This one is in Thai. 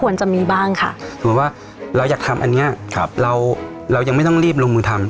สมมุติว่าเราอยากทำอันนี้เรายังไม่ต้องรีบลงมือทำ